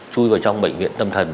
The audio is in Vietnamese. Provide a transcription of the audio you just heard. chui vào trong bệnh viện tâm thần